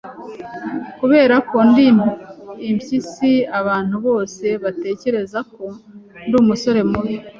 Kuberako ndi impyisi, abantu bose batekereza ko ndi umusore mubi.